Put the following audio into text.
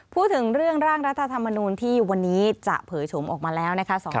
พูดถึงเรื่องร่างรัฐธรรมนูลที่วันนี้จะเผยโฉมออกมาแล้วนะคะ